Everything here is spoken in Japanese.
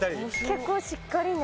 結構しっかりね。